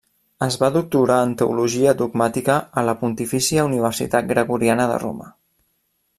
Es va doctorar en teologia dogmàtica a la Pontifícia Universitat Gregoriana de Roma.